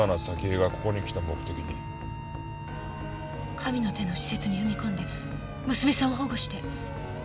神の手の施設に踏み込んで娘さんを保護して。